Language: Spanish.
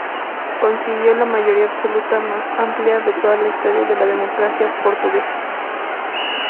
Consiguió la mayoría absoluta más amplia de toda la historia de la democracia portuguesa.